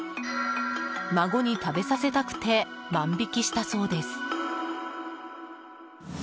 孫に食べさせたくて万引きしたそうです。